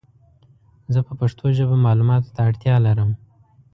زه په پښتو ژبه مالوماتو ته اړتیا لرم